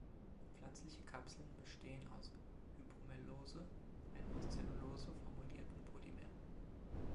Pflanzliche Kapseln bestehen aus Hypromellose, einem aus Zellulose formulierten Polymer.